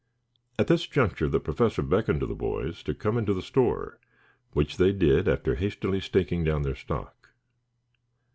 At this juncture the Professor beckoned to the boys to come into the store, which they did after hastily staking down their stock.